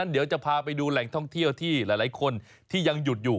เดี๋ยวจะพาไปดูแหล่งท่องเที่ยวที่หลายคนที่ยังหยุดอยู่